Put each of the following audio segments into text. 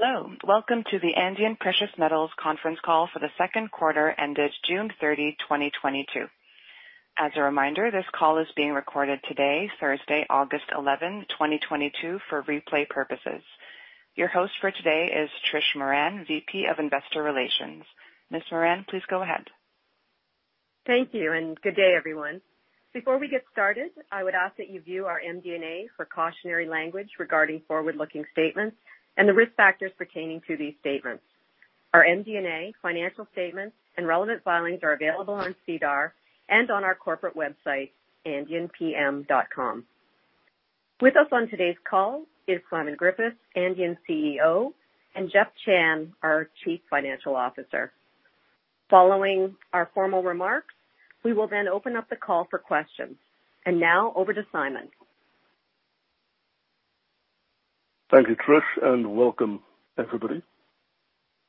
Hello, welcome to the Andean Precious Metals conference call for the second quarter ended June 30, 2022. As a reminder, this call is being recorded today, Thursday, August 11, 2022, for replay purposes. Your host for today is Trish Moran, VP of Investor Relations. Ms. Moran, please go ahead. Thank you, and good day, everyone. Before we get started, I would ask that you view our MD&A for cautionary language regarding forward-looking statements and the risk factors pertaining to these statements. Our MD&A, financial statements, and relevant filings are available on SEDAR and on our corporate website, andeanpm.com. With us on today's call is Simon Griffiths, Andean CEO, and Jeff Chan, our Chief Financial Officer. Following our formal remarks, we will then open up the call for questions. Now over to Simon. Thank you, Trish, and welcome everybody.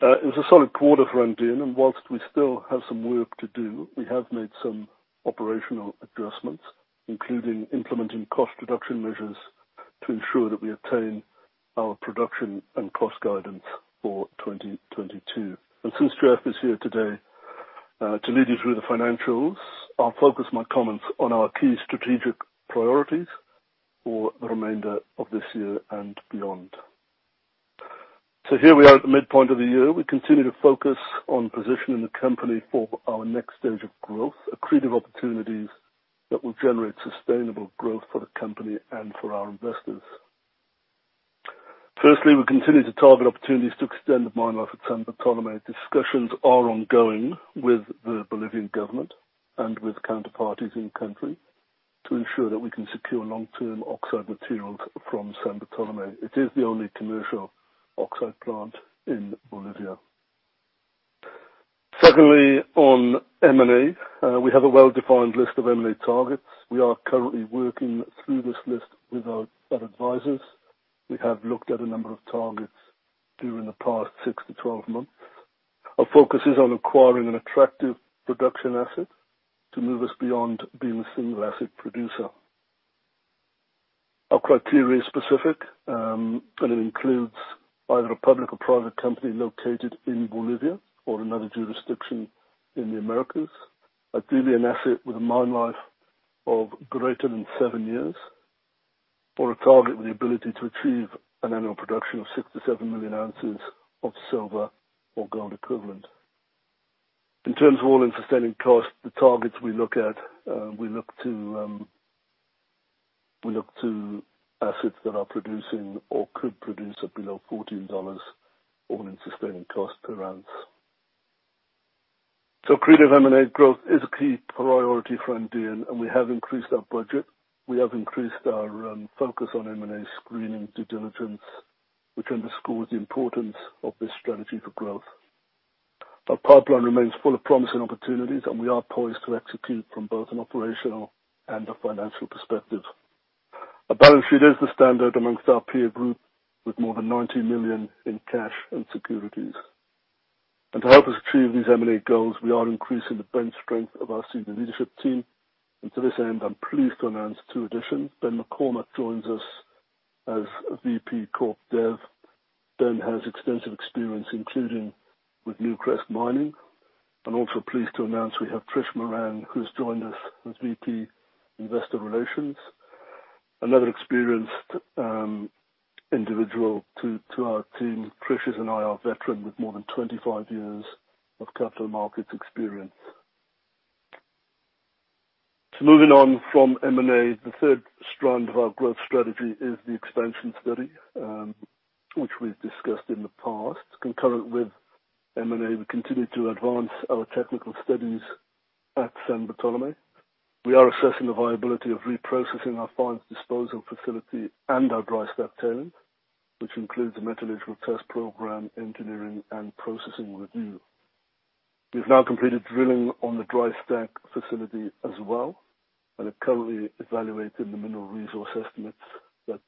It was a solid quarter for Andean, and while we still have some work to do, we have made some operational adjustments, including implementing cost reduction measures to ensure that we attain our production and cost guidance for 2022. Since Jeff is here today, to lead you through the financials, I'll focus my comments on our key strategic priorities for the remainder of this year and beyond. Here we are at the midpoint of the year. We continue to focus on positioning the company for our next stage of growth, accretive opportunities that will generate sustainable growth for the company and for our investors. Firstly, we continue to target opportunities to extend the mine life at San Bartolomé. Discussions are ongoing with the Bolivian government and with counterparties in country to ensure that we can secure long-term oxide materials from San Bartolomé. It is the only commercial oxide plant in Bolivia. Secondly, on M&A, we have a well-defined list of M&A targets. We are currently working through this list with our advisors. We have looked at a number of targets during the past 6-12 months. Our focus is on acquiring an attractive production asset to move us beyond being a single asset producer. Our criteria is specific, and it includes either a public or private company located in Bolivia or another jurisdiction in the Americas. Ideally, an asset with a mine life of greater than 7 years or a target with the ability to achieve an annual production of 6-7 million ounces of silver or gold equivalent. In terms of all-in sustaining costs, the targets we look at, we look to assets that are producing or could produce at below $14 all-in sustaining cost per ounce. Accretive M&A growth is a key priority for Andean, and we have increased our budget. We have increased our focus on M&A screening due diligence, which underscores the importance of this strategy for growth. Our pipeline remains full of promising opportunities, and we are poised to execute from both an operational and a financial perspective. Our balance sheet is the standard amongst our peer group with more than $90 million in cash and securities. To help us achieve these M&A goals, we are increasing the bench strength of our senior leadership team. To this end, I'm pleased to announce two additions. Benjamin McCormick joins us as VP Corp Dev. Ben has extensive experience, including with Newcrest Mining. I'm also pleased to announce we have Trish Moran, who's joined us as VP Investor Relations. Another experienced individual to our team. Trish is an IR veteran with more than 25 years of capital markets experience. Moving on from M&A, the third strand of our growth strategy is the expansion study, which we've discussed in the past. Concurrent with M&A, we continue to advance our technical studies at San Bartolomé. We are assessing the viability of reprocessing our fines disposal facility and our dry stack tailings, which includes a metallurgical test program, engineering, and processing review. We've now completed drilling on the dry stack facility as well and are currently evaluating the mineral resource estimates that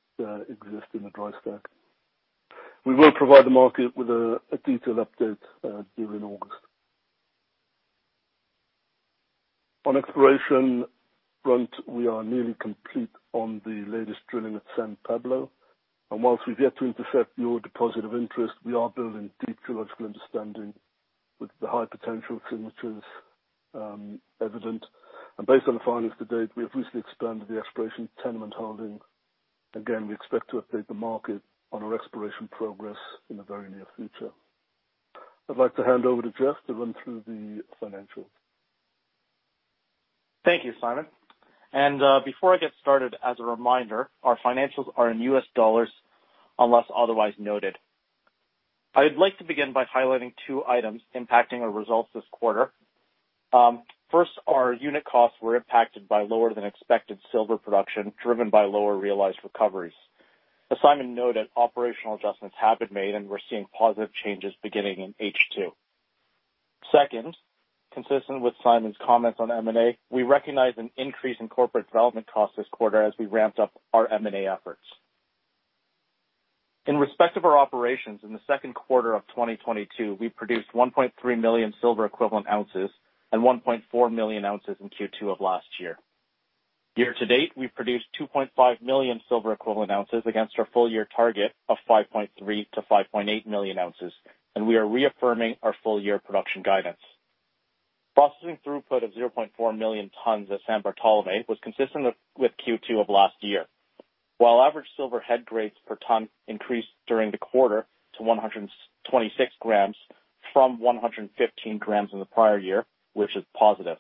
exist in the dry stack. We will provide the market with a detailed update during August. On exploration front, we are nearly complete on the latest drilling at San Pablo. While we've yet to intercept ore deposit of interest, we are building deep geological understanding with the high potential signatures evident. Based on the findings to date, we have recently expanded the exploration tenement holdings. Again, we expect to update the market on our exploration progress in the very near future. I'd like to hand over to Jeff to run through the financials. Thank you, Simon. Before I get started, as a reminder, our financials are in US dollars, unless otherwise noted. I'd like to begin by highlighting two items impacting our results this quarter. First, our unit costs were impacted by lower than expected silver production, driven by lower realized recoveries. As Simon noted, operational adjustments have been made, and we're seeing positive changes beginning in H2. Second, consistent with Simon's comments on M&A, we recognize an increase in corporate development costs this quarter as we ramped up our M&A efforts. In respect of our operations in the second quarter of 2022, we produced 1.3 million silver equivalent ounces and 1.4 million ounces in Q2 of last year. Year to date, we've produced 2.5 million silver equivalent ounces against our full year target of 5.3-5.8 million ounces, and we are reaffirming our full year production guidance. Processing throughput of 0.4 million tons at San Bartolomé was consistent with Q2 of last year. While average silver head grades per ton increased during the quarter to 126 grams from 115 grams in the prior year, which is positive.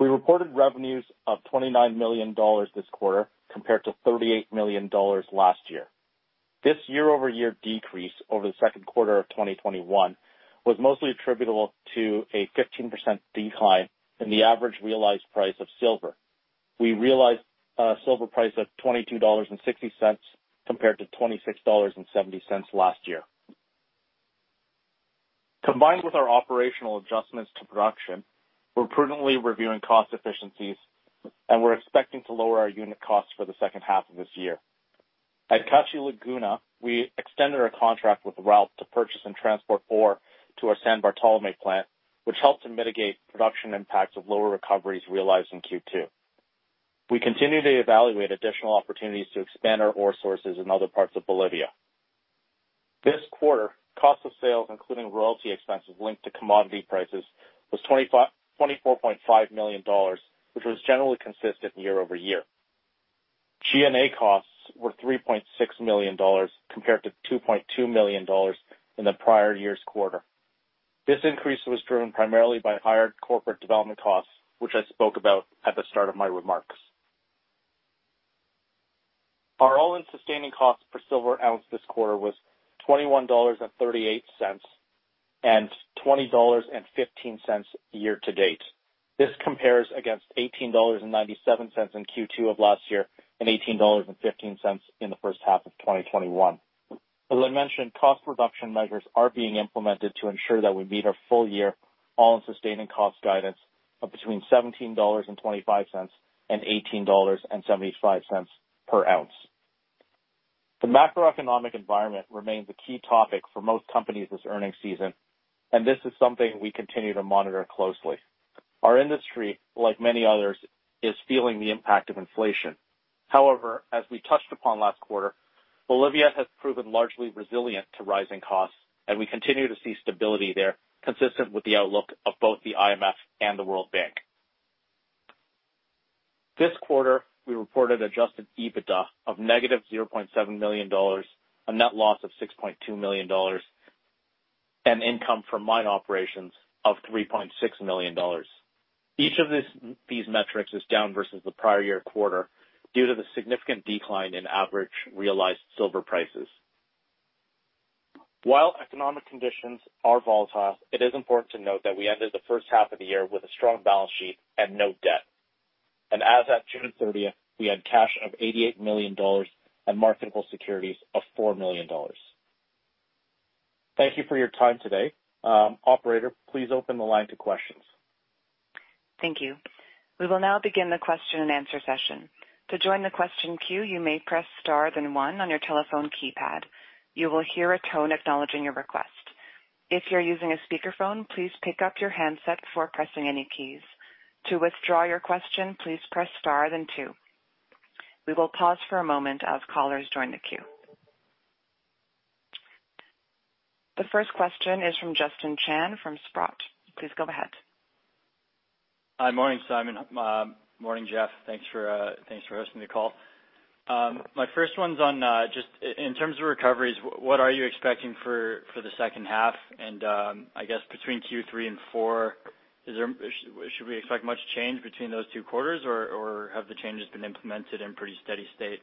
We reported revenues of $29 million this quarter, compared to $38 million last year. This year-over-year decrease over the second quarter of 2021 was mostly attributable to a 15% decline in the average realized price of silver. We realized a silver price of $22.60 compared to $26.70 last year. Combined with our operational adjustments to production, we're prudently reviewing cost efficiencies and we're expecting to lower our unit costs for the second half of this year. At Cachi Laguna, we extended our contract with COMIBOL to purchase and transport ore to our San Bartolomé plant, which helped to mitigate production impacts of lower recoveries realized in Q2. We continue to evaluate additional opportunities to expand our ore sources in other parts of Bolivia. This quarter, cost of sales, including royalty expenses linked to commodity prices, was $24.5 million, which was generally consistent year-over-year. G&A costs were $3.6 million compared to $2.2 million in the prior year's quarter. This increase was driven primarily by higher corporate development costs, which I spoke about at the start of my remarks. Our all-in sustaining costs per silver ounce this quarter was $21.38, and $20.15 year to date. This compares against $18.97 in Q2 of last year and $18.15 in the first half of 2021. As I mentioned, cost reduction measures are being implemented to ensure that we meet our full year all-in sustaining cost guidance of between $17.25 and $18.75 per ounce. The macroeconomic environment remains a key topic for most companies this earnings season, and this is something we continue to monitor closely. Our industry, like many others, is feeling the impact of inflation. However, as we touched upon last quarter, Bolivia has proven largely resilient to rising costs, and we continue to see stability there consistent with the outlook of both the IMF and the World Bank. This quarter, we reported adjusted EBITDA of -$0.7 million, a net loss of $6.2 million, and income from mine operations of $3.6 million. Each of these metrics is down versus the prior year quarter due to the significant decline in average realized silver prices. While economic conditions are volatile, it is important to note that we ended the first half of the year with a strong balance sheet and no debt. As at June 30, we had cash of $88 million and marketable securities of $4 million. Thank you for your time today. Operator, please open the line to questions. Thank you. We will now begin the question-and-answer session. To join the question queue, you may press star then one on your telephone keypad. You will hear a tone acknowledging your request. If you're using a speakerphone, please pick up your handset before pressing any keys. To withdraw your question, please press star then two. We will pause for a moment as callers join the queue. The first question is from Justin Chan from Sprott. Please go ahead. Hi. Morning, Simon. Morning, Jeff. Thanks for hosting the call. My first one's on just in terms of recoveries, what are you expecting for the second half? I guess between Q3 and Q4, should we expect much change between those two quarters or have the changes been implemented in pretty steady state?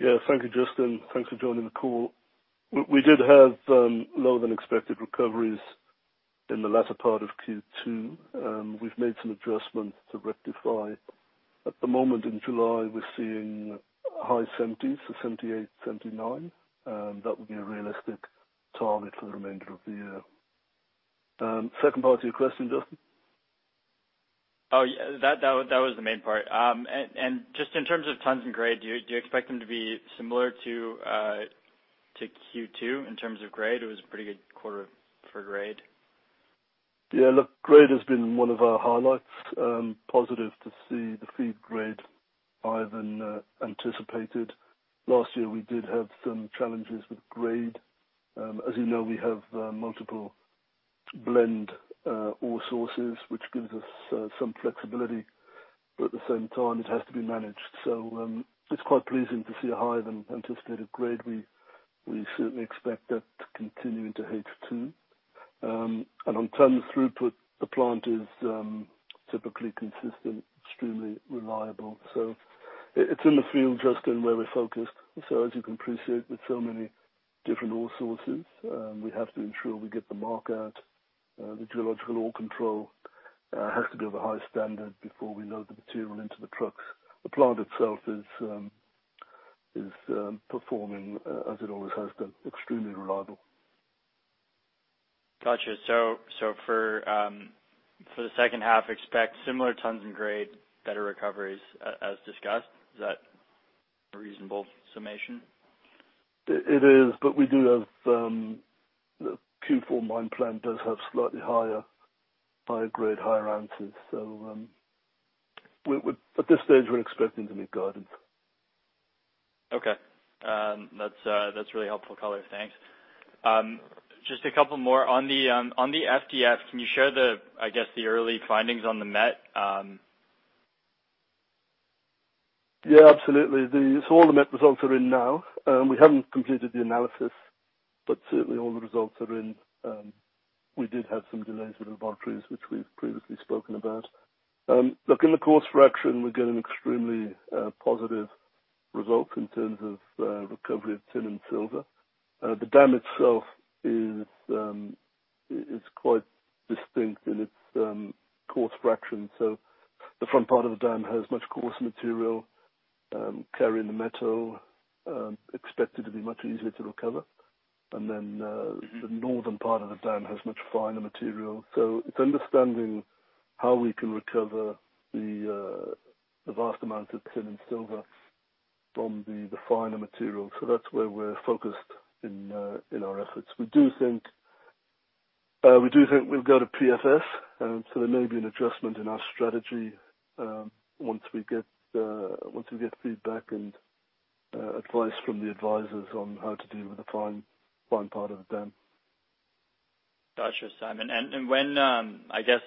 Yeah. Thank you, Justin. Thanks for joining the call. We did have lower than expected recoveries in the latter part of Q2. We've made some adjustments to rectify. At the moment, in July, we're seeing high 70s%, so 78%-79%. That would be a realistic target for the remainder of the year. Second part of your question, Justin? Oh, yeah. That was the main part. Just in terms of tons and grade, do you expect them to be similar to Q2 in terms of grade? It was a pretty good quarter for grade. Yeah. Look, grade has been one of our highlights. Positive to see the feed grade higher than anticipated. Last year, we did have some challenges with grade. As you know, we have multiple blend ore sources, which gives us some flexibility, but at the same time, it has to be managed. It's quite pleasing to see a higher than anticipated grade. We certainly expect that to continue into H2. On tons throughput, the plant is typically consistent, extremely reliable. It's in the field, Justin, where we're focused. As you can appreciate, with so many different ore sources, we have to ensure we get the mark out. The geological ore control has to be of a high standard before we load the material into the trucks. The plant itself is performing as it always has been, extremely reliable. Gotcha. For the second half, expect similar tons and grade, better recoveries as discussed. Is that a reasonable summation? It is, but we do have the Q4 mine plan does have slightly higher grade, higher ounces. At this stage, we're expecting to meet guidance. Okay. That's really helpful color. Thanks. Just a couple more. On the FDF, can you share the, I guess, the early findings on the met? Yeah, absolutely. All the met results are in now. We haven't completed the analysis, but certainly all the results are in. We did have some delays with laboratories, which we've previously spoken about. Look, in the coarse fraction, we're getting extremely positive results in terms of recovery of tin and silver. The dam itself is quite distinct in its coarse fraction. The front part of the dam has much coarser material carrying the metal expected to be much easier to recover. The northern part of the dam has much finer material. It's understanding how we can recover the vast amounts of tin and silver from the finer material. That's where we're focused in our efforts. We do think we'll go to PFS. There may be an adjustment in our strategy once we get feedback and advice from the advisors on how to deal with the fines part of the dam. Gotcha, Simon. When, I guess,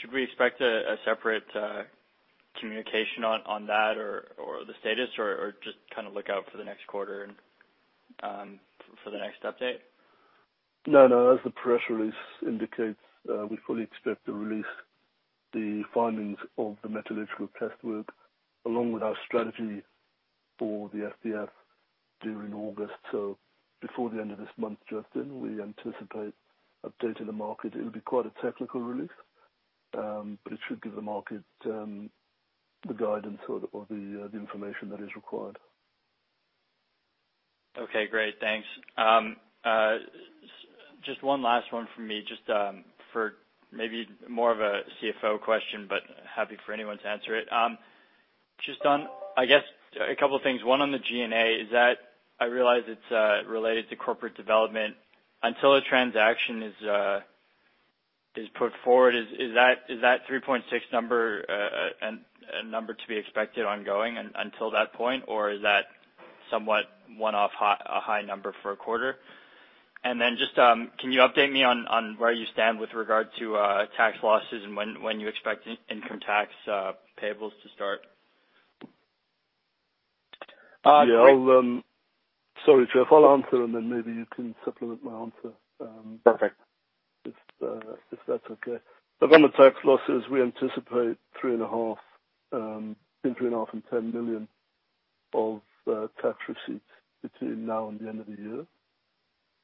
should we expect a separate communication on that or just kind of look out for the next quarter and for the next update? No, no. As the press release indicates, we fully expect to release the findings of the metallurgical test work along with our strategy for the FDF during August. Before the end of this month, Justin, we anticipate updating the market. It'll be quite a technical release, but it should give the market the guidance or the information that is required. Okay, great. Thanks. Just one last one from me, just for maybe more of a CFO question, but happy for anyone to answer it. Just on, I guess, a couple of things. One on the G&A is that I realize it's related to corporate development. Until a transaction is put forward, is that $3.6 number a number to be expected ongoing until that point? Or is that somewhat one-off, a high number for a quarter? Just, can you update me on where you stand with regard to tax losses and when you expect income tax payables to start? Yeah. Sorry, Jeff, I'll answer and then maybe you can supplement my answer. Perfect. If that's okay. On the tax losses, we anticipate $3.5 million, between $3.5 million and $10 million of tax receipts between now and the end of the year.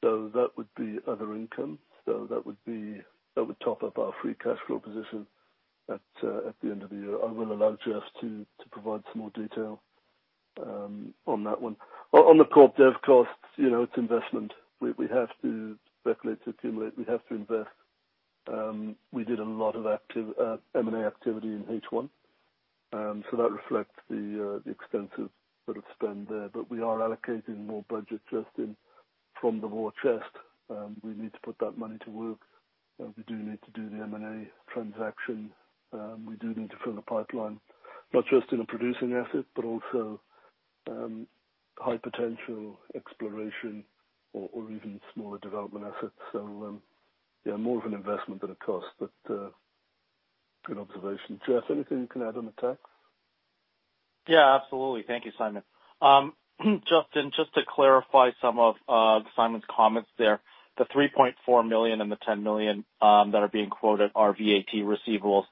That would be other income. That would top up our free cash flow position at the end of the year. I will allow Jeff to provide some more detail on that one. On the Corp Dev costs, you know, it's investment. We have to speculate to accumulate. We have to invest. We did a lot of active M&A activity in H1. That reflects the extensive bit of spend there. We are allocating more budget, Justin, from the war chest. We need to put that money to work. We do need to do the M&A transaction. We do need to fill the pipeline, not just in a producing asset, but also high potential exploration or even smaller development assets. Yeah, more of an investment than a cost. Good observation. Jeff, anything you can add on the tax? Yeah, absolutely. Thank you, Simon. Justin, just to clarify some of Simon's comments there. The $3.4 million and the $10 million that are being quoted are VAT receivables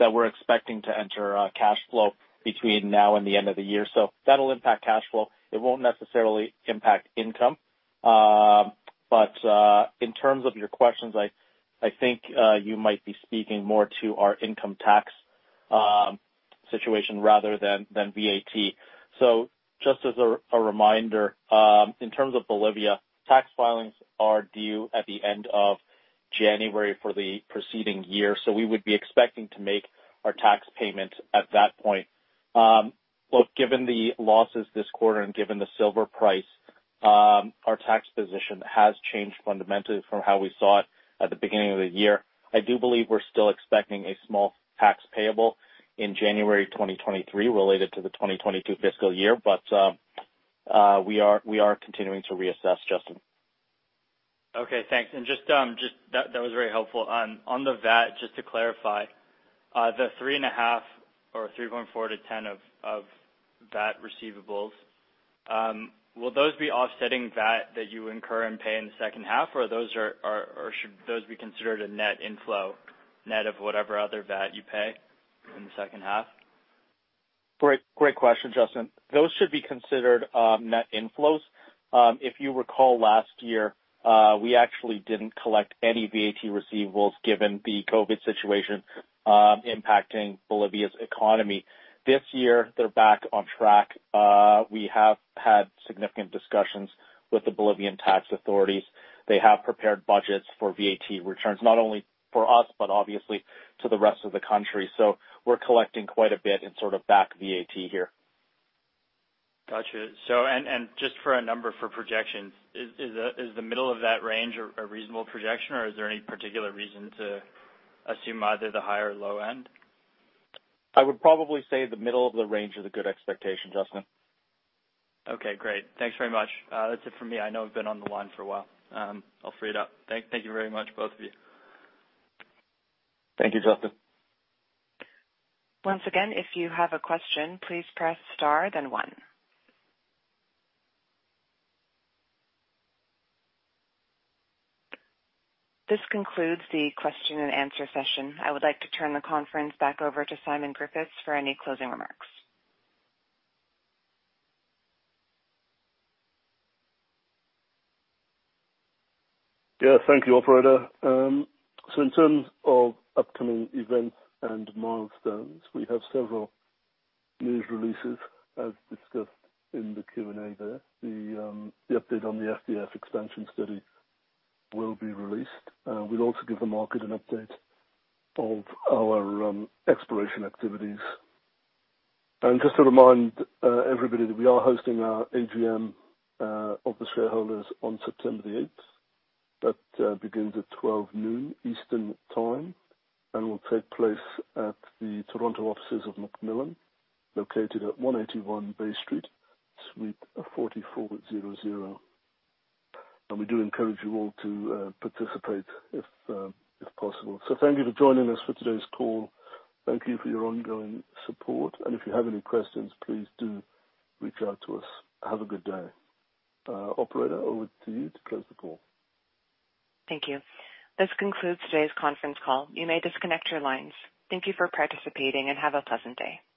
that we're expecting to enter cash flow between now and the end of the year. That'll impact cash flow. It won't necessarily impact income. In terms of your questions, I think you might be speaking more to our income tax situation rather than VAT. Just as a reminder, in terms of Bolivia, tax filings are due at the end of January for the preceding year. We would be expecting to make our tax payment at that point. Look, given the losses this quarter and given the silver price, our tax position has changed fundamentally from how we saw it at the beginning of the year. I do believe we're still expecting a small tax payable in January 2023 related to the 2022 fiscal year. We are continuing to reassess, Justin. Okay, thanks. Just that was very helpful. On the VAT, just to clarify, the $3.5 or $3.4-$10 of VAT receivables, will those be offsetting VAT that you incur and pay in the second half, or should those be considered a net inflow, net of whatever other VAT you pay in the second half? Great question, Justin. Those should be considered net inflows. If you recall last year, we actually didn't collect any VAT receivables given the COVID situation impacting Bolivia's economy. This year, they're back on track. We have had significant discussions with the Bolivian tax authorities. They have prepared budgets for VAT returns, not only for us, but obviously to the rest of the country. We're collecting quite a bit in sort of back VAT here. Gotcha. Just for a number for projection, is the middle of that range a reasonable projection or is there any particular reason to assume either the high or low end? I would probably say the middle of the range is a good expectation, Justin. Okay, great. Thanks very much. That's it for me. I know I've been on the line for a while. I'll free it up. Thank you very much, both of you. Thank you, Justin. Once again, if you have a question, please press star then one. This concludes the question and answer session. I would like to turn the conference back over to Simon Griffiths for any closing remarks. Yeah. Thank you, operator. In terms of upcoming events and milestones, we have several news releases as discussed in the Q&A there. The update on the FDF expansion study will be released. We'll also give the market an update of our exploration activities. Just to remind everybody that we are hosting our AGM of the shareholders on September the eighth. That begins at 12:00 P.M. Eastern time and will take place at the Toronto offices of McMillan, located at 181 Bay Street, suite 4400. We do encourage you all to participate if possible. Thank you for joining us for today's call. Thank you for your ongoing support. If you have any questions, please do reach out to us. Have a good day. Operator, over to you to close the call. Thank you. This concludes today's conference call. You may disconnect your lines. Thank you for participating and have a pleasant day.